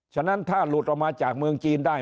ฉะนั้นถ้าหลุดออกมาจากเมืองจีนได้